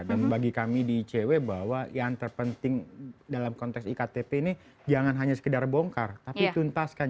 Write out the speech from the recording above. dan bagi kami di icw bahwa yang terpenting dalam konteks iktp ini jangan hanya sekedar bongkar tapi tuntaskan